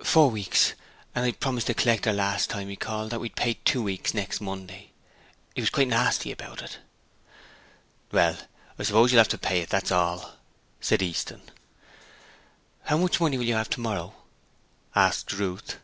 'Four weeks, and I promised the collector the last time he called that we'd pay two weeks next Monday. He was quite nasty about it.' 'Well, I suppose you'll have to pay it, that's all,' said Easton. 'How much money will you have tomorrow?' asked Ruth.